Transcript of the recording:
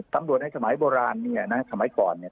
ในสมัยโบราณเนี่ยนะสมัยก่อนเนี่ย